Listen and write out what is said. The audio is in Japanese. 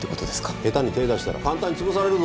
下手に手出したら簡単に潰されるぞ。